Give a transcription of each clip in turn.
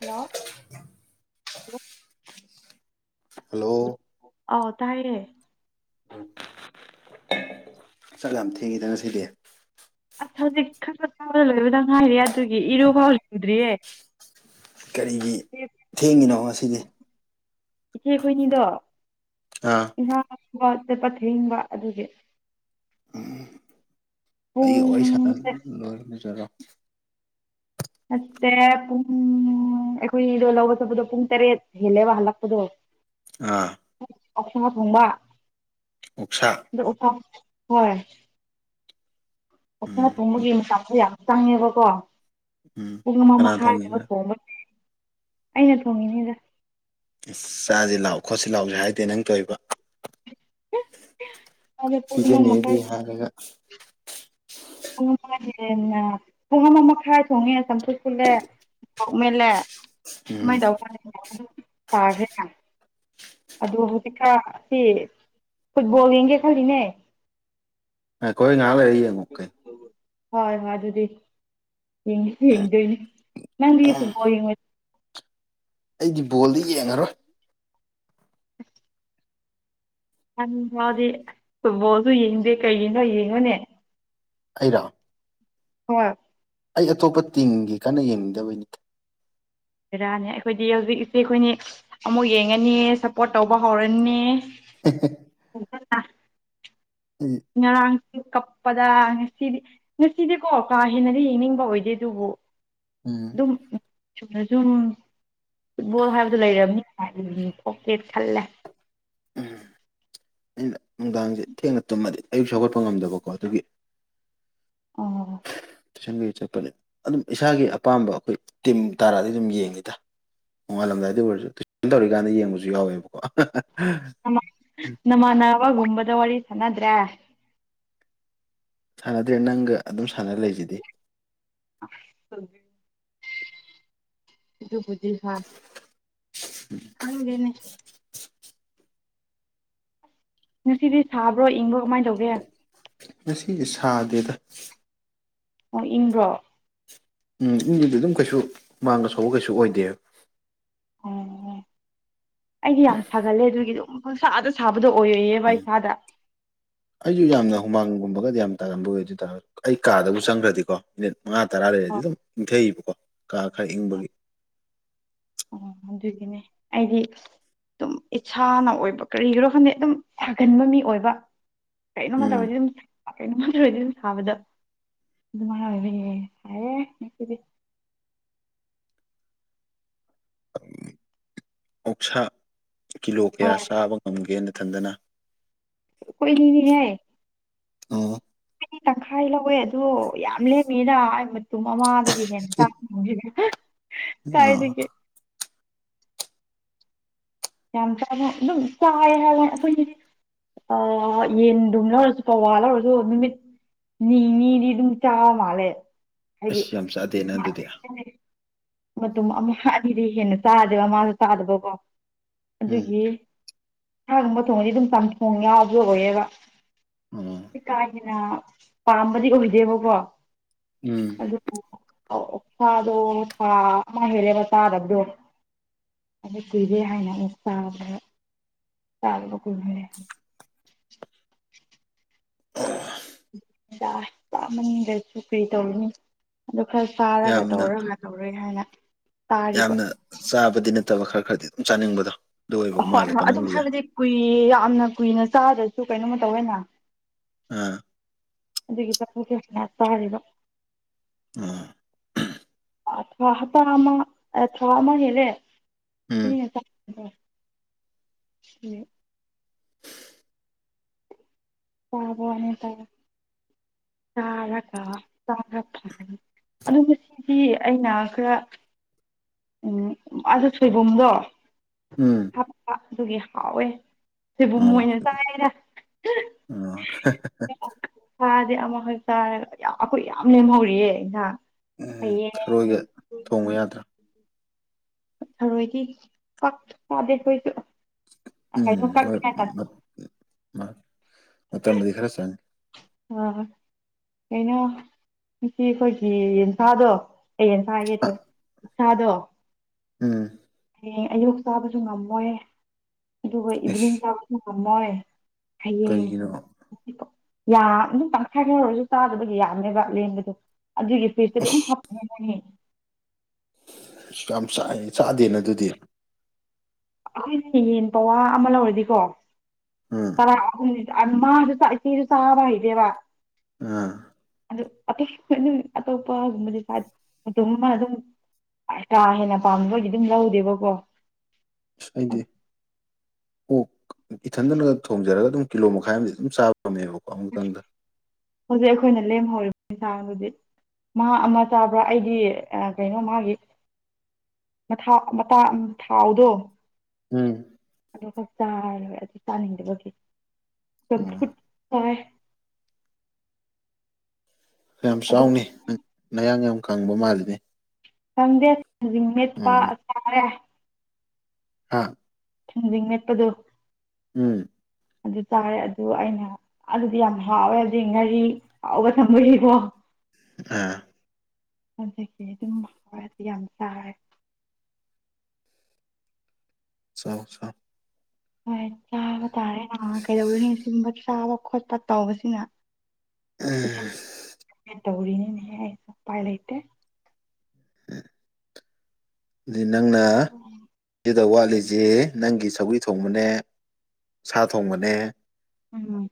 hello [inaudible] hello ꯑ ꯇꯥꯏꯌꯦ ꯎꯝ ꯆꯠ ꯌꯥꯝ ꯊꯦꯡꯉꯤꯗ ꯉꯁꯤꯗꯤ ꯑꯁ ꯍꯧꯖꯤꯛ ꯈꯔ ꯈ ꯆꯥꯕꯗ ꯂꯣꯏꯕꯗ ꯉꯥꯏꯔꯤꯦ ꯑꯗꯨꯒꯤ ꯏꯔꯨ ꯐꯥꯎ ꯂꯨꯗ꯭ꯔꯤꯌꯦ ꯀꯔꯤꯒꯤ ꯏꯆꯦ ꯊꯦꯡꯉꯤꯅꯣ ꯉꯁꯤꯗꯤ ꯏꯆꯦ ꯈꯣꯏꯅꯤꯗꯣ ꯑꯥ ꯉꯥ ꯗꯕ ꯆꯇꯄꯥ ꯊꯦꯡꯕ ꯑꯗꯨꯒꯤ ꯎꯝ ꯑꯩꯒ ꯋꯥꯔꯤ ꯁꯥꯟꯅ ꯄꯨꯡꯁꯦ ꯂꯣꯏꯔ ꯂꯨꯖꯔꯣ ꯅꯠꯇꯦ ꯄꯨꯡ ꯑꯩꯈꯣꯏꯅꯤꯗꯣ ꯂꯧꯕ ꯆꯠꯄꯗꯣ ꯄꯨꯡ ꯇꯔꯦꯠ ꯍꯦꯜꯂꯦꯕ ꯍꯜꯂꯛꯄꯗꯣ ꯑꯥ ꯀꯛ ꯁꯥ ꯊꯣꯡꯕ ꯑꯣꯛꯁꯥ [unintelligible] ꯍꯣꯏ ꯑꯣꯁꯥ ꯎꯝ ꯊꯣꯡꯕꯒꯤ ꯃꯇꯝꯗꯣ ꯌꯥ ꯆꯪꯉꯦꯕꯀꯣ ꯎꯝ ꯄꯨꯡ ꯑꯃ ꯀꯅꯥ ꯃꯈꯥꯏ ꯍꯨꯝꯕꯥ ꯊꯣꯡꯉꯤꯅꯣ ꯊꯣꯛꯣꯡꯑꯒ ꯑꯩꯅ ꯊꯣꯡꯉꯤꯅꯤꯗ ꯑꯁ ꯆꯥꯁꯦ ꯂꯥꯛ ꯈꯣꯠꯁꯤ ꯂꯥꯛꯎꯁꯦ ꯍꯥꯏꯗꯦ ꯅꯪ ꯇꯣꯏꯕ ꯑꯗꯣ ꯄꯨꯡ ꯑꯃ ꯄꯤꯖꯅꯤꯗꯤ ꯃꯈꯥꯏ ꯍꯥꯏꯔꯒꯥ ꯄꯨꯡ ꯑꯃ ꯍꯦꯟꯅ ꯄꯨꯡ ꯑꯃ ꯃꯈꯥꯏ ꯊꯣꯡꯉꯦ ꯆꯝꯐꯨꯠ ꯄꯨꯨꯜꯂꯦ ꯎꯝ ꯃꯂꯦꯥꯏꯗ ꯐ ꯇꯈꯦ [unintelligible] ꯑꯗꯣ ꯍꯧꯖꯤꯛꯀ ꯁꯤ ꯐꯨꯠꯕꯣꯜ ꯌꯦꯡꯒꯦ ꯈꯜꯂꯤꯅꯦ ꯉꯏꯈꯣꯍꯦ ꯉꯍꯥꯛ ꯂꯩꯔꯥ ꯌꯦꯟꯒꯣ ꯀꯔꯤꯅꯣ ꯍꯣꯏ ꯍꯣꯏ ꯑꯗꯨꯗꯤ ꯌꯦꯪꯁ ꯌꯦꯡꯗꯣꯏꯅꯦ ꯅꯪꯗꯤ ꯐꯨꯠꯕꯣꯜ ꯌꯦꯡꯉ ꯑꯩꯗꯤ ꯕꯣꯜꯗꯤ ꯌꯦꯡꯉꯔꯣꯏ [inaudible] ꯌꯥꯝ ꯃꯗꯤ ꯐꯨꯠꯕꯣꯜꯁꯨ ꯌꯦꯡꯗꯦ ꯀꯩꯒꯤꯅꯣ ꯌꯦꯡꯉꯨꯅꯦ ꯑꯩꯔꯥ ꯍꯣꯢ ꯑꯩ ꯑꯇꯣꯞꯄ ꯇꯤꯝꯒꯤ ꯀꯟꯅ ꯌꯦꯡꯅꯤꯡꯗꯕꯩꯅꯤ ꯕꯦꯔꯥꯅꯦ ꯑꯩꯈꯣꯏꯗꯤ ꯍꯧꯖꯤꯛꯁꯦ ꯑꯩꯈꯣꯏꯅꯤ ꯑꯃꯨꯛ ꯌꯦꯡꯉꯅꯤ ꯁꯞꯄꯣꯔꯠ ꯇꯧꯕ ꯍꯧꯔꯅꯤ [unintelligible] ꯑꯩ ꯉꯔꯥꯡꯁꯨ ꯀꯞꯄꯗ ꯉꯁꯤꯗꯤ ꯉꯁꯤꯗꯤꯀꯣ ꯀꯥ ꯍꯦꯟꯅꯗꯤ ꯌꯦꯡꯅꯤꯡꯕ ꯑꯣꯏꯗꯦ ꯑꯗꯨꯕꯨ ꯎꯝ ꯑꯗꯨꯝ ꯆꯨꯝꯅꯖꯨꯝ ꯐꯨꯠꯕꯣꯜ ꯍꯥꯏꯕꯗꯨ ꯂꯩꯔꯝꯅꯤ ꯀꯣꯛꯀꯦꯠ ꯈꯜꯂꯦ ꯎꯝ ꯑꯩꯅ ꯅꯨꯡꯗꯥꯡꯁꯦ ꯊꯦꯡꯅ ꯇꯨꯝꯃꯗꯤ ꯑꯌꯨꯛ ꯁꯨ ꯍꯧꯒꯠꯄ ꯉꯝꯗꯕꯀꯣ ꯑꯗꯨꯒꯤ ꯑꯣ ꯇꯨꯏꯁꯟꯀꯩ ꯆꯠꯄꯅꯦ ꯑꯗꯨꯝ ꯏꯁꯥꯒꯤ ꯑꯄꯥꯝꯕ ꯑꯩꯈꯣꯏ ꯇꯤꯝ ꯇꯥꯔꯥꯗꯤ ꯑꯗꯨꯝ ꯌꯦꯡꯉꯤꯗ ꯅꯣꯡꯉꯥꯜꯂꯝꯗꯥꯏꯗ ꯑꯣꯏꯔꯁꯨ ꯇꯨꯏꯁꯟ ꯇꯧꯔꯤꯀꯥꯟꯗ ꯌꯦꯡꯕꯁꯨ ꯌꯥꯎꯋꯦꯕꯀꯣ [unintelligible] ꯅꯃ ꯅꯃꯥꯟꯅꯕꯒꯨꯝꯕꯗ ꯋꯥꯔꯤ ꯁꯥꯅꯗ꯭ꯔꯦ ꯁꯥꯟꯅꯗ꯭ꯔꯦ ꯅꯪꯒ ꯑꯗꯨꯝ ꯁꯥꯟꯅ ꯂꯩꯁꯤꯗꯤ [inaudible] ꯑꯗꯨꯕꯨꯗꯤ ꯍꯥꯢ ꯈꯪꯗꯦꯅꯦ ꯉꯁꯤꯗꯤ ꯁꯥꯕ꯭ꯔꯣ ꯏꯪꯕ꯭ꯔꯣ ꯀꯃꯥꯏ ꯇꯧꯒꯦ ꯉꯁꯤ ꯁꯥꯗꯦꯗ ꯑꯣ ꯏꯪꯕ꯭ꯔꯣ ꯎꯝ ꯏꯒꯤꯗꯤ ꯑꯗꯨꯝ ꯀꯩꯁꯨ ꯃꯥꯡꯅ ꯁꯧ ꯀꯩꯁꯨ ꯑꯣꯏꯗꯦ ꯑꯣ ꯑꯩꯗꯤ ꯌꯥꯝ ꯁꯥꯒꯠꯂꯦ ꯑꯗꯨꯒꯤꯗꯨꯝ ꯄꯪꯁꯥ ꯁꯥꯕꯗꯣ ꯑꯣꯏꯌꯦꯌꯦꯕ ꯏꯁꯥꯗ ꯑꯩꯁꯨ ꯌꯥꯝꯅ ꯍꯨꯃꯥꯡꯒꯨꯝꯕꯒꯗꯤ ꯌꯥꯝ ꯇꯥꯒꯟꯕ ꯑꯣꯏꯗꯦꯗ ꯑꯩ ꯀꯥꯗꯕꯨ ꯆꯪꯈ꯭ꯔꯗꯤꯀꯣ ꯃꯤꯅꯤꯠ ꯃꯉꯥ ꯇꯔꯥ ꯂꯩꯔꯗꯤ ꯑꯣ ꯑꯗꯨꯝ ꯏꯪꯊꯩꯏꯕꯀꯣ ꯀꯥ ꯈꯔ ꯏꯪꯕꯒꯤ ꯑꯣ ꯑꯗꯨꯒꯤꯅꯦ ꯑꯩꯗꯤ ꯑꯗꯨꯝ ꯏꯁꯥꯅ ꯑꯣꯏꯕ ꯀꯔꯤꯒꯤꯔꯣ ꯈꯪꯗꯦ ꯑꯗꯨꯝ ꯁꯥꯒꯟꯕ ꯃꯤ ꯑꯣꯏꯕ ꯀꯩꯅꯣꯃ ꯎꯝ ꯇꯧꯋꯦ ꯑꯗꯨꯝ ꯀꯩꯅꯣꯝꯃ ꯇꯧꯋꯦꯗꯤ ꯊꯥꯕꯗ ꯑꯗꯨꯃꯥꯢ ꯍꯥꯢꯔꯨꯕꯩ ꯁꯥꯢꯌꯦ ꯉꯁꯤꯗꯤ ꯑꯣꯛꯁꯥ ꯀꯤꯂꯣ ꯍꯣꯏ ꯀꯌꯥ ꯆꯥꯕ ꯉꯝꯒꯦ ꯅꯊꯟꯗꯅ ꯑꯈꯣꯏ ꯑꯅꯤꯅꯤꯅꯦꯍꯦ ꯑꯣ ꯈꯣꯢꯅꯤ ꯇꯪꯈꯥꯏ ꯂꯧꯋꯦ ꯑꯗꯣ ꯌꯥꯝ ꯂꯦꯝꯃꯤꯗ ꯑꯩ ꯃꯇꯨꯝ ꯑꯃꯥ [unintelligible] ꯑ ꯌꯥꯝ ꯆꯥꯕ ꯑꯗꯨꯝ ꯆꯥꯎ ꯍꯥꯏꯌꯦ ꯑꯩꯈꯣꯏꯅꯤꯗꯤ ꯑꯥ ꯌꯦꯟꯗꯨꯝ ꯂꯧꯔꯁꯨ ꯄꯋꯥ ꯂꯧꯔꯁꯨ ꯅꯨꯃꯤꯠ ꯅꯤꯅꯤꯗꯤ ꯑꯗꯨꯝ ꯆꯥ ꯃꯥꯜꯂꯦ ꯍꯥꯏꯗꯤ ꯑꯁ ꯌꯥꯝ ꯆꯥꯗꯦꯅ ꯑꯗꯨꯗꯤ [unintelligible] ꯃꯇꯨꯝ ꯑꯃꯨꯛ ꯑꯅꯤꯗꯩ ꯍꯦꯟꯅ ꯆꯥꯗꯦꯕ ꯃꯥꯁꯨ ꯆꯥꯗꯕꯀꯣ ꯎꯝ ꯑꯗꯨꯒꯤ ꯁꯥꯒꯨꯝꯕ ꯊꯣꯡꯉꯗꯤ ꯑꯗꯨꯝ ꯆꯝꯊꯣꯡ ꯌꯥꯎꯕ ꯑꯣꯏꯌꯦꯕ ꯑꯣ ꯏꯀꯥꯏꯗꯦꯅ ꯄꯥꯝꯕꯗꯤ ꯑꯣꯏꯗꯦꯕꯀꯣ ꯎꯝ ꯑꯗꯨꯕꯨ ꯑꯣꯛꯁꯥꯗꯣ ꯊꯥ ꯑꯃ ꯍꯦꯜꯂꯦꯕ ꯆꯥꯗꯕꯗꯣ ꯑꯗꯨ ꯀꯨꯏꯔꯦ ꯍꯥꯏꯅ ꯑꯩꯅ ꯆꯥꯕꯅꯦꯕ ꯆꯥꯗꯕ ꯀꯨꯏꯔꯦ ꯍꯥꯏꯅ ꯆꯥꯏ ꯆꯥꯃꯟꯗꯁꯨ ꯀ꯭ꯔꯤ ꯇꯧꯔꯨꯅꯤ ꯑꯗꯣ ꯈꯔ ꯆꯥꯔꯒ ꯌꯥꯝꯅ ꯇꯧꯔꯒ ꯇꯧꯔꯦ ꯍꯥꯏꯅ ꯇꯥꯔꯤꯕ ꯌꯥꯝꯅ ꯆꯥꯕꯗꯤ ꯅꯠꯇꯕ ꯈꯔ ꯈꯔꯗꯤ ꯑꯗꯨꯝ ꯆꯥꯅꯤꯡꯕꯗꯣ ꯑꯗꯨ ꯑꯣꯏꯕꯒꯨꯝ ꯍꯣꯏ ꯃꯥꯜꯂꯦꯀꯣ ꯍꯣꯏ ꯑꯗꯨꯝ ꯅꯪꯒꯤꯖꯦ ꯍꯥꯏꯕꯗꯤ ꯀꯨꯏ ꯌꯥꯝꯅ ꯀꯨꯏꯅ ꯆꯥꯗ꯭ꯔꯁꯨ ꯀꯩꯅꯣꯝꯃ ꯇꯧꯋꯦꯅ ꯑꯥ ꯑꯗꯨꯒꯤ [unintelligible] ꯆꯥꯔꯤꯕ ꯑꯥ ꯑ ꯍꯥꯞꯇꯥ ꯑꯃ ꯊꯥ ꯑꯃ ꯍꯦꯜꯂꯦ ꯎꯝ [unintelligible] [unintelligible] ꯑꯗꯨꯕꯨ ꯁꯤꯗꯤ ꯑꯩꯅ ꯈꯔ ꯎꯝ ꯑꯗꯨ ꯁꯣꯏꯕꯨꯝꯗꯣ ꯎꯝ ꯍꯥꯞꯄ ꯑꯗꯨꯒꯤ ꯍꯥꯎꯋꯦ ꯁꯣꯏꯕꯨꯝ ꯑꯣ ꯑꯣꯏꯅ ꯆꯥꯏꯗ ꯑꯣ ꯊꯥꯗꯤ ꯑꯃꯈꯛ ꯆꯥꯔꯒ ꯌꯥꯝ ꯑꯩꯈꯣꯏ ꯌꯥꯝ ꯂꯦꯝꯍꯧꯔꯤꯌꯦ ꯏꯪꯖꯥꯡ ꯎꯝ ꯊꯔꯣꯏꯒ ꯊꯣꯡꯕ ꯌꯥꯗ꯭ꯔꯥ ꯊꯔꯣꯏꯗꯤ ꯄꯛ ꯆꯥꯗꯦ ꯑꯈꯣꯏꯁꯨ ꯎꯝ ꯍꯣꯏ [unintelligible] ꯃꯇꯝꯗꯤ ꯈꯔ ꯆꯪꯏ ꯑ ꯀꯩꯅꯣ ꯉꯁꯤ ꯑꯩꯈꯣꯏꯒꯤ ꯌꯦꯟꯁꯥꯗꯣ ꯑꯦ ꯌꯦꯟꯁꯥ ꯍꯥꯏꯒꯦ ꯑ ꯇꯧꯋꯦ ꯑꯣꯛꯁꯥ ꯗꯣ ꯎꯝ ꯍꯌꯦꯡ ꯑꯌꯨꯛ ꯆꯥꯕꯁꯨ ꯉꯝꯃꯣꯏ ꯑꯗꯨꯒ ꯏꯁ ꯏꯚꯤꯅꯤꯡ ꯆꯥꯕꯁꯨ ꯉꯝꯃꯣꯏ ꯍꯌꯦꯡ ꯀꯩꯒꯤꯅꯣ ꯌꯥ ꯑꯗꯨꯝ ꯇꯪꯈꯥꯏ ꯈꯔ ꯑꯣꯏꯔꯁꯨ ꯆꯥꯗꯕꯒꯤ ꯌꯥꯅꯦꯕ ꯂꯦꯝꯕꯗꯣ ꯑꯗꯨꯒꯤ ꯐꯤꯁꯇ ꯗꯨꯝ ꯍꯥꯞꯄꯅꯦ [unintelligible] ꯑꯁ ꯌꯥꯝ ꯆꯥꯏ ꯆꯥꯗꯦꯅ ꯑꯗꯨꯗꯤ ꯑꯈꯣꯏꯖꯦ ꯌꯦꯟ ꯄꯋꯥ ꯑꯃ ꯂꯧꯔꯗꯤꯀꯣ ꯎꯝ ꯇꯔꯥ [unintelligible] ꯏꯆꯦꯖꯌ ꯆꯥꯕ ꯍꯩꯇꯦꯕ ꯑꯥ ꯑꯗꯨ ꯑꯇꯩ [unintelligible] ꯑꯇꯣꯞꯄꯒꯨꯝꯕꯗꯤ ꯑꯗꯨꯝ ꯃꯥ ꯑꯗꯨꯝ ꯀꯥ ꯍꯦꯟꯅ ꯄꯥꯝꯗꯕꯒꯤ ꯑꯗꯨꯝ ꯂꯧꯗꯦꯕꯀꯣ ꯑꯁ ꯑꯩꯗꯤ ꯑꯣꯛ ꯏꯊꯟꯗꯅꯒ ꯊꯣꯡꯖꯔꯒ ꯑꯗꯨꯝ ꯀꯤꯂꯣ ꯃꯈꯥꯏ ꯑꯝꯗꯤ ꯑꯗꯨꯝ ꯆꯥꯕ ꯉꯝꯃꯦꯕꯀꯣ ꯑꯃꯨꯛꯇꯪꯗ ꯍꯧꯖꯤꯛ ꯑꯩꯈꯣꯏꯅ ꯂꯦꯝꯍꯧꯔꯤꯕ ꯌꯦꯟꯁꯥꯡ ꯗꯨꯗꯤ ꯃꯥ ꯑꯃ ꯆꯥꯕ꯭ꯔꯥ ꯑꯩꯗꯤ ꯑ ꯀꯩꯅꯣ ꯃꯥꯒꯤ ꯃꯊꯥ ꯃꯇꯥ ꯊꯥꯎꯗꯣ ꯎꯝ [unintelligible] ꯆꯥꯌꯦꯕꯥ ꯑꯗꯨ ꯆꯥꯅꯤꯡꯗꯕꯒꯤ ꯎꯝ ꯆꯝꯐꯨꯠ ꯆꯥꯏ ꯈꯥ ꯌꯥꯝ ꯑꯗꯨ ꯆꯥꯎꯅꯦ ꯅꯌꯥꯡ ꯌꯥꯝ ꯀꯪꯕ ꯃꯥꯜꯂꯤꯅꯦ ꯈꯪꯗꯦ ꯊꯪꯖꯤꯡ ꯃꯦꯠꯄ ꯎꯝ ꯆꯥꯔꯦ ꯍꯥ ꯊꯥꯡꯖꯤꯡ ꯃꯦꯠꯄꯗꯣ ꯎꯝ ꯑꯗꯨ ꯆꯥꯔꯦ ꯑꯗꯨ ꯑꯩꯅ ꯑꯗꯨꯗꯤ ꯌꯥꯝ ꯍꯥꯎꯋꯦ ꯑꯗꯨꯏ ꯉꯥꯔꯤ ꯍꯥꯎꯕ ꯊꯝꯕꯒꯤꯀꯣ ꯑ [unintelligible] ꯆꯥꯎ ꯆꯥꯎ ꯍꯣꯏ ꯆꯥꯕ ꯇꯥꯔꯦ ꯀꯩꯗꯧꯔꯨꯅꯤ ꯁꯤꯒꯨꯝꯕ ꯆꯥꯕ ꯈꯣꯠꯄ ꯇꯧꯕꯁꯤꯅ ꯏꯁꯥ ꯎꯝ [unintelligible] ꯇꯧꯔꯤꯅꯦꯅꯦꯍꯦ ꯎꯄꯥꯏ ꯂꯩꯇꯦ ꯗꯨꯗꯤ ꯅꯪꯅ ꯑꯗꯨꯗ ꯋꯥꯠꯂꯤꯁꯤ ꯅꯪꯒꯤ ꯁꯧꯔꯤ ꯊꯣꯡꯕꯅꯦ ꯁꯥ ꯊꯣꯡꯕꯅꯦ ꯎꯝ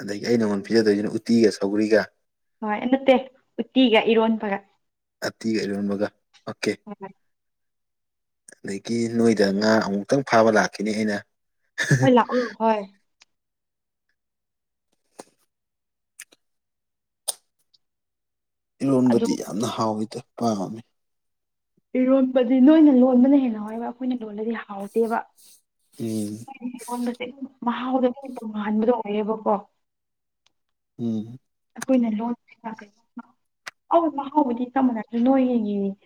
ꯑꯗꯒꯤ ꯑꯩꯅ ꯅꯪꯉꯣꯟꯗ ꯄꯤꯖꯗꯣꯏꯁꯤꯅ ꯎꯇꯤꯒ ꯁꯧꯒ꯭ꯔꯤꯒ ꯍꯣꯏ ꯅꯠꯇꯦ ꯎꯠꯇꯤꯒ ꯏꯔꯣꯟꯕꯒ ꯎꯇꯤꯒ ꯏꯔꯣꯝꯕꯒ ꯑꯣꯀꯦ ꯎꯝ ꯑꯗꯒꯤ ꯅꯣꯏꯗ ꯉꯥ ꯑꯃꯨꯛꯇꯪ ꯐꯥꯕ ꯂꯥꯛꯈꯤꯅꯤ ꯑꯩꯅ ꯍꯣꯏ ꯂꯥꯛꯑꯣ ꯍꯣꯏ ꯑꯗꯨ ꯏꯔꯣꯟꯕꯗꯤ ꯌꯥꯝꯅ ꯍꯥꯎꯋꯤꯗꯣ ꯄꯥꯝꯃꯤ ꯏꯔꯣꯟꯕꯗꯤ ꯅꯣꯏꯅ ꯂꯣꯟꯕꯅ ꯍꯦꯟꯅ ꯍꯥꯎꯋꯦꯕ ꯑꯩꯈꯣꯏꯅ ꯂꯣꯜꯂꯗꯤ ꯍꯥꯎꯇꯦꯕ ꯎꯝ [unintelligible] ꯏꯔꯣꯟꯕꯁꯦ ꯃꯍꯥꯎꯗ ꯇꯣꯡꯉꯥꯟꯕꯗꯣ ꯑꯣꯏꯌꯦꯕꯀꯣ ꯎꯝ ꯑꯩꯈꯣꯏꯅ ꯂꯣꯟꯕꯁꯤ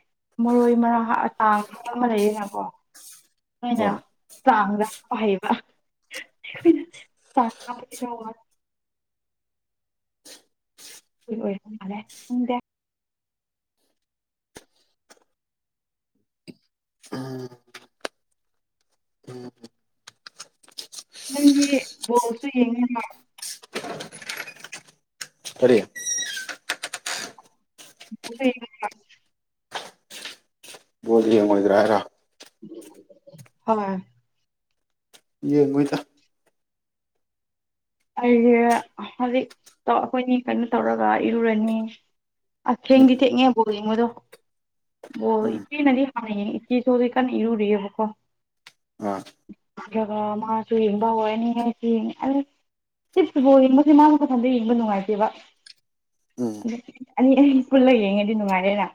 [unintelligible] ꯃꯔꯣꯏ ꯃꯔꯥꯡ [unintelligible] ꯂꯩꯌꯦꯅꯀꯣ ꯍꯣꯏ [unintelligible] ꯆꯥꯡꯗ ꯍꯥꯞꯕ ꯍꯩꯕ ꯑꯩꯈꯣꯏꯅ ꯆꯥꯡ ꯍꯥꯞꯄꯕꯁꯤ [unintelligible] [unintelligible] ꯎꯝ ꯎꯝ ꯅꯪꯗꯤ ꯕꯣꯜꯁꯨ ꯌꯦꯡꯉꯤ ꯅꯦ ꯀꯔꯤ [unintelligible] ꯕꯣꯜ ꯌꯦꯡꯉꯣꯏꯗ꯭ꯔꯥ ꯍꯥꯏꯔꯣ ꯍꯣꯏ ꯌꯦꯡꯉꯣꯏꯗ ꯑꯩꯁꯦ ꯍꯧꯖꯤꯛ ꯑꯩꯈꯣꯏꯅꯤ ꯀꯩꯅꯣ ꯇꯧꯔꯒ ꯏꯔꯨꯔꯅꯤ ꯑꯁ ꯎꯝ ꯊꯦꯡꯗꯤ ꯊꯦꯡꯉꯦ ꯕꯣꯜ ꯌꯦꯡꯕꯗꯣ ꯕꯣꯜ ꯎꯝ ꯏꯆꯦꯅꯗꯤ [unintelligible] ꯏꯆꯦꯁꯨ ꯍꯧꯖꯤꯛ ꯀꯟꯅ ꯏꯔꯨꯔꯤꯑꯕꯀꯣ ꯑꯥ ꯑꯗꯨꯒ ꯃꯥꯁꯨ ꯌꯦꯡꯕ ꯍꯧꯔꯅꯤ [unintelligible] ꯑꯁ [unintelligible] ꯌꯦꯡꯕꯁꯦ ꯃꯥ ꯃꯊꯟꯗ ꯌꯦꯡꯕ ꯅꯨꯡꯉꯥꯏꯇꯦꯕ ꯎꯝ ꯑꯗꯨ ꯑꯅꯤ ꯑꯅꯤ ꯄꯨꯜꯂꯒ ꯌꯦꯡꯉꯗꯤ ꯅꯨꯡꯉꯥꯏꯔꯦꯗ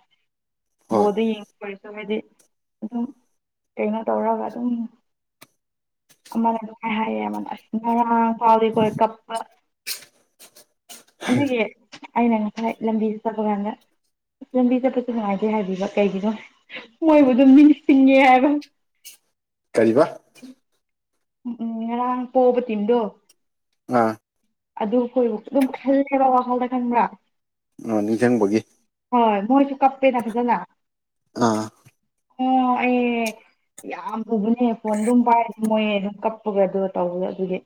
ꯍꯣꯏ ꯕꯣꯔꯗ [unintelligible] ꯍꯥꯏꯗꯤ ꯑꯗꯨꯝ ꯀꯩꯅꯣ ꯇꯧꯔꯒ ꯑꯗꯨꯝ ꯑꯃꯅ [unintelligible] ꯍꯥꯏꯌꯦꯕ ꯑꯁ ꯉꯔꯥꯡ [unintelligible] ꯀꯞꯄ ꯑꯗꯨꯒꯤ ꯑꯩꯅ ꯉꯁꯥꯏ ꯂꯝꯕꯤꯁꯦ ꯆꯠꯄ ꯀꯥꯟꯗ ꯂꯝꯕꯤ ꯆꯠꯄꯁꯨ ꯅꯨꯡꯉꯥꯏꯇꯦ ꯍꯥꯏꯕꯤꯕ ꯀꯩꯒꯤꯅꯣ ꯃꯣꯏꯕꯨ ꯑꯗꯨꯝ ꯅꯤꯡꯁꯤꯡꯉꯦ ꯍꯥꯏꯕ ꯀꯩꯕꯥ ꯎꯝ ꯉꯔꯥꯡ ꯄꯣꯕ ꯇꯤꯝꯗꯣ [unintelligible] ꯑꯗꯨ ꯑꯈꯣꯏ ꯑꯗꯨꯝ ꯈꯜꯂꯦꯕ ꯋꯥꯈꯜꯗ ꯈꯟꯕ꯭ꯔꯥ ꯑ ꯅꯤꯡꯖꯪꯕꯒꯤ ꯍꯣꯏ ꯃꯣꯏꯁꯨ ꯀꯞꯄꯦꯗ ꯐꯖꯅ ꯑ ꯑꯣ [unintelligible] ꯌꯥꯝ ꯄꯨꯕꯅꯦ ꯐꯣꯟ ꯑꯗꯨꯝ ꯄꯥꯏꯔꯗꯤ ꯃꯣꯏ ꯑꯗꯨꯝ ꯀꯞꯄꯒ ꯑꯗꯨꯒ ꯇꯧꯕꯅꯦ ꯑꯗꯨꯗꯤ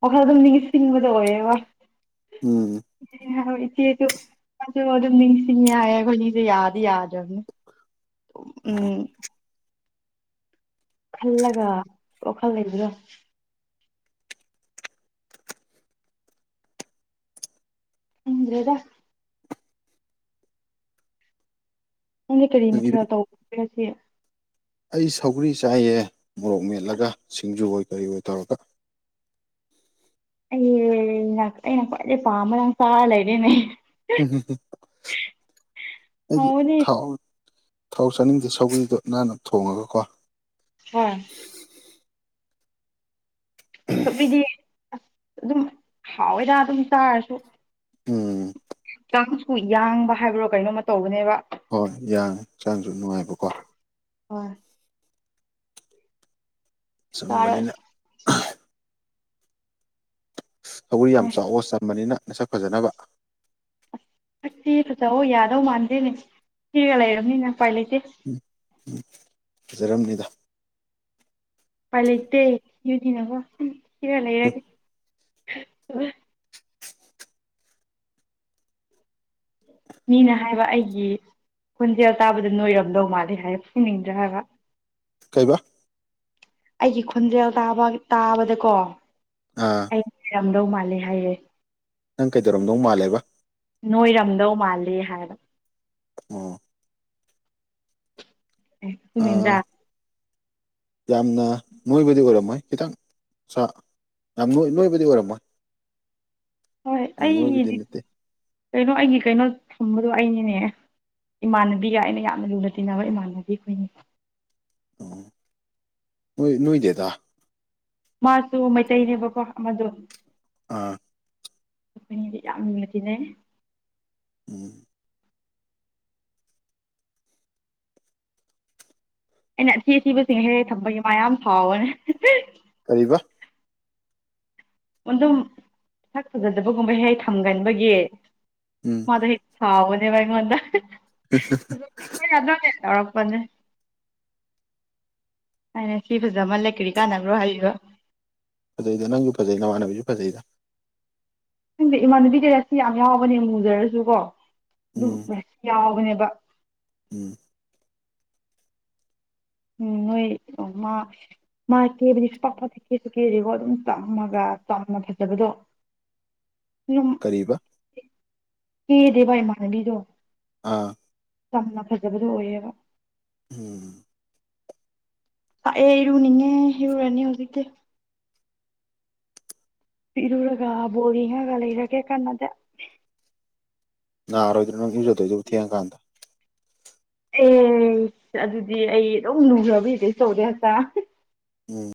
[unintelligible] ꯑꯗꯨꯝ ꯅꯤꯡꯁꯤꯡꯕꯗꯣ ꯑꯣꯏꯌꯦꯕ ꯎꯝ [unintelligible] [unintelligible] ꯌꯥꯗꯤ ꯌꯥꯗ꯭ꯔꯝꯅꯦ ꯑꯣ ꯎꯝ ꯈꯜꯂꯒ ꯋꯥꯈꯜ ꯂꯩꯕꯗꯣ ꯈꯪꯗ꯭ꯔꯦꯗ ꯅꯪꯗꯤ ꯀꯔꯤ ꯅꯪꯒꯤ ꯃꯊꯦꯜ ꯇꯧ [unintelligible] ꯑꯩ ꯁꯧꯒ꯭ꯔꯤ ꯆꯥꯏꯌꯦ ꯃꯣꯔꯣꯛ ꯃꯦꯠꯂꯒ ꯁꯤꯡꯖꯨ ꯑꯣꯏ ꯀꯔꯤ ꯑꯣꯏ ꯇꯧꯔꯒ ꯑꯩ ꯑꯩꯅ ꯈ꯭ꯋꯥꯏꯗꯩ ꯄꯥꯝꯕ ꯅꯪ ꯆꯥꯔ ꯂꯩꯔꯦꯅꯦ [unintelligible] ꯍꯥꯎꯕꯅꯤ ꯊꯥꯎ ꯊꯥꯎ ꯆꯥꯅꯤꯡꯗꯦ ꯁꯧꯒ꯭ꯔꯤꯗꯣ ꯅꯥꯟꯅ ꯊꯣꯡꯉꯒꯀꯣ ꯍꯥ ꯁꯧꯒ꯭ꯔꯤꯗꯤ ꯑꯗꯨꯝ ꯍꯥꯎꯋꯦꯗ ꯑꯗꯨꯝ ꯆꯥꯔꯁꯨ ꯎꯝ ꯍꯛꯆꯥꯡꯨꯁꯨ ꯌꯥꯡꯕ ꯍꯥꯏꯕ꯭ꯔꯣ ꯀꯩꯅꯣꯝꯃ ꯇꯧꯕꯅꯦꯕ ꯍꯣꯏ ꯌꯥꯡꯉꯦ ꯍꯛꯆꯥꯡꯁꯨ ꯅꯨꯡꯉꯥꯏꯕꯀꯣ ꯍꯣꯏ ꯆꯥꯔ ꯆꯝꯕꯅꯤꯅ ꯁꯧꯒ꯭ꯔꯤ ꯌꯥꯝ ꯆꯥꯎꯑꯣ ꯆꯝꯕꯅꯤꯅ ꯅꯁꯛ ꯐꯖꯅꯕ ꯁꯛꯁꯤ ꯐꯖꯧ ꯌꯥꯗꯧ ꯃꯥꯟꯗꯦꯅꯦ ꯊꯤꯔꯒ ꯂꯩꯔꯕꯅꯤꯅ ꯎꯄꯥꯏ ꯂꯩꯇꯦ [unintelligible] ꯐꯖꯔꯝꯅꯤꯗ ꯎ ꯄꯥꯏ ꯂꯩꯇꯦ [unintelligible] ꯊꯤꯔ ꯂꯩꯔꯒꯦ ꯃꯤꯅ ꯍꯥꯏꯕ ꯑꯩꯒꯤ ꯈꯣꯟꯖꯦꯜ ꯇꯥꯕꯗ ꯅꯣꯏꯔꯝꯗꯧ ꯃꯥꯜꯂꯦ ꯍꯥꯏꯕ ꯐꯨꯅꯤꯡꯗ꯭ꯔꯥ ꯍꯥꯏꯕ ꯀꯩꯕꯥ ꯑꯩꯒꯤ ꯈꯨꯟꯖꯦꯜ ꯇꯥꯕ ꯇꯥꯕꯗꯀꯣ ꯑꯥ ꯅꯣꯏꯔꯝꯗꯧ ꯃꯥꯜꯂꯦ ꯍꯥꯏꯌꯦ ꯅꯪ ꯀꯩꯗꯧꯔꯝꯗꯧ ꯃꯥꯜꯂꯦꯕ ꯅꯣꯏꯔꯝꯗꯧ ꯃꯥꯜꯂꯦ ꯍꯥꯏꯕ ꯎꯝ [inaudible] ꯑꯥ [unintelligible] ꯌꯥꯝꯅ ꯅꯣꯏꯕꯗꯤ ꯑꯣꯏꯔꯝꯃꯣꯏ ꯈꯤꯇꯪ ꯆꯥ ꯌꯥꯝ ꯅꯣꯏꯕꯗꯤ ꯑꯣꯏꯔꯝꯃꯣꯏ ꯍꯣꯏ ꯌꯥꯝ ꯅꯣꯏꯕꯗꯤ ꯑꯩꯒꯤꯗꯤ ꯅꯠꯇꯦ ꯀꯩꯅꯣ ꯑꯩꯒꯤ ꯀꯩꯅꯣ ꯊꯝꯕꯗꯣ ꯑꯩꯅꯤꯅꯦ ꯏꯃꯥꯟꯅꯕꯤꯒ ꯑꯩꯅ ꯌꯥꯝꯅ ꯂꯨꯅ ꯇꯤꯟꯅꯕ ꯏꯃꯥꯟꯅꯕꯤ ꯑꯩꯈꯣꯏꯅꯤ ꯑꯣ ꯅꯣꯏ ꯅꯣꯏꯗꯦꯗ ꯃꯥꯁꯨ ꯃꯩꯇꯩꯅꯦꯕꯀꯣ ꯑꯃꯗꯨ ꯑꯥ ꯇꯤꯟꯅꯕꯗꯤ ꯌꯥꯝ ꯂꯨꯅ ꯇꯤꯟꯅꯩ ꯎꯝ ꯑꯩꯅ ꯑꯊꯤ ꯑꯊꯤꯕꯁꯤꯡ ꯍꯦꯛ ꯍꯧꯛ ꯊꯝꯕꯒꯤ ꯃꯥ ꯌꯥꯝ ꯁꯥꯎꯕꯅꯦ ꯀꯔꯤꯕ ꯑꯗꯨꯝ ꯁꯥꯛ ꯐꯖꯗꯕꯒꯨꯝꯕ ꯍꯦꯛ ꯊꯝꯒꯟꯕꯒꯤ ꯎꯝ ꯃꯥꯗꯣ ꯍꯦꯛ ꯁꯥꯎꯕꯅꯦꯕꯥ ꯑꯩꯉꯣꯟꯗ ꯍ [unintelligible] ꯍꯣꯢꯅꯦ ꯑꯗꯨꯅꯦ ꯇꯧꯔꯛꯄꯅꯦ ꯑꯩꯅ ꯁꯤ ꯐꯖꯃꯜꯂꯦ ꯀ꯭ꯔꯤ ꯀꯥꯟꯅꯕ꯭ꯔꯣ ꯍꯥꯏꯔꯛꯢꯕ ꯐꯖꯩꯗ ꯅꯪꯁꯨ ꯐꯖꯩ ꯅꯃꯥꯟꯅꯕꯤꯁꯨ ꯐꯖꯩꯗ ꯈꯪꯗꯦ ꯏꯃꯥꯟꯅꯕꯤ ꯔꯁꯤ ꯌꯥꯝ ꯌꯥꯎꯕꯅꯦ ꯃꯨꯖꯔꯁꯨꯀꯣ ꯑꯗꯨꯝ ꯎꯝ ꯔꯁꯤ ꯌꯥꯎꯕꯅꯦꯕ ꯎꯝ ꯎꯝ ꯅꯣꯏ ꯑꯝ ꯃꯥ ꯃꯥ ꯀꯦꯕꯗꯤ ꯁꯨꯡꯄꯥꯛ ꯄꯥꯛ ꯀꯦꯁꯨ ꯀꯦꯗꯦꯀꯣ ꯑꯗꯨꯝ ꯆꯝꯃꯒ ꯆꯝꯅ ꯐꯖꯕꯗꯣ ꯌꯥꯝ ꯀꯔꯤꯕ ꯀꯦꯗꯦꯕꯥ ꯢꯃꯥꯟꯅꯕꯤꯗꯣ ꯑꯥ ꯆꯝꯅ ꯐꯖꯕꯗꯨ ꯑꯣꯏꯌꯦꯕ ꯎꯝ ꯁꯥꯢꯌꯦ ꯏꯔꯨꯅꯤꯡꯉꯤ ꯏꯔꯨꯔꯅꯤ ꯍꯧꯖꯤꯛꯇꯤ ꯢꯔꯨꯔꯒ ꯕꯣꯜ ꯌꯦꯡꯉꯥꯒ ꯂꯩꯔꯒꯦ ꯀꯥꯟꯅꯗꯦ ꯅꯥꯔꯣꯏꯗ꯭ꯔꯣ ꯅꯪ ꯏꯔꯨꯖꯗꯣꯏꯗꯨꯕꯨ ꯊꯦꯡꯉꯥ ꯀꯥꯟꯗ ꯑꯝ ꯑꯗꯨꯗꯤ ꯑꯩ ꯑꯗꯨꯝ ꯂꯨꯖꯕꯩ ꯀꯔꯤꯁꯨ ꯇꯧꯗꯦꯗ ꯍꯥꯛꯆꯥꯡ ꯎꯝ